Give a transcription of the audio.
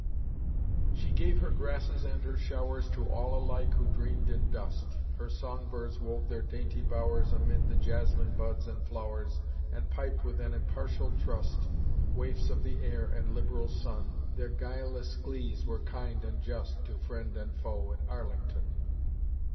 She gave her grasses and her showers To all alike who dreamed in dust; Her song birds wove their dainty bowers Amid the jasmine buds and flowers, And piped with an impartial trust Waifs of the air and liberal sun, Their guileless glees were kind and just To friend and foe at Arlington.